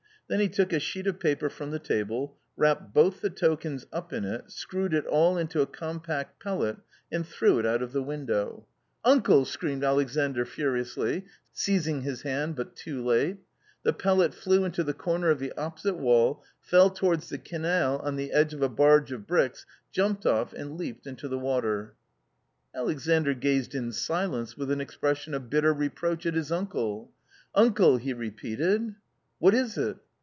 Then he took a sheet of paper from the table, wrapped both the tokens up in it, screwed it all into a compact pellet, and threw it out of window. V A COMMON STORY 47 " Uncle !" screamed Alexandr furiously, seizing his hand but too late ; the pellet flew into the corner of the opposite wall, fell towards the canal on the edge of a barge of bricks, jumped off, and leaped into the water. Alexandr gazed in silence with an expression of bitter reproach at his uncle. " Uncle !" he repeated. "What is it?"